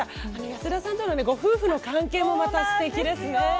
安田さんとのご夫婦の関係もまた素敵ですね。